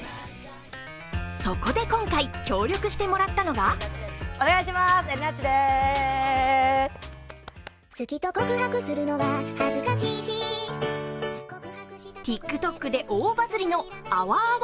そこで今回協力してもらったのがＴｉｋＴｏｋで大バズリのあわあわ